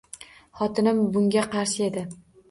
Xotinim bunga qarshi edi